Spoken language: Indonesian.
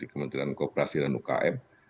kementerian kooperasi dan umkm